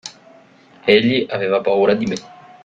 Egli aveva paura di me.